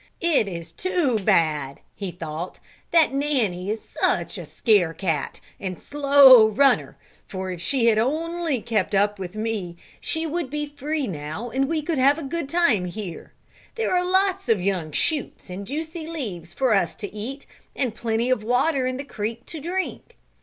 "It is too bad," he thought, "that Nanny is such a scare cat and slow runner for if she had only kept up with me she would be free now and we could have a good time here. There are lots of young shoots and juicy leaves for us to eat and plenty of water in the creek to drink.